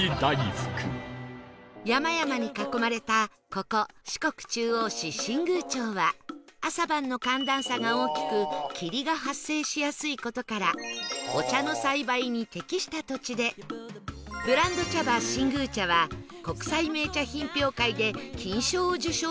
山々に囲まれたここ四国中央市新宮町は朝晩の寒暖差が大きく霧が発生しやすい事からお茶の栽培に適した土地でブランド茶葉新宮茶は国際銘茶品評会で金賞を受賞した逸品